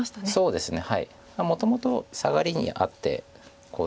そうですね。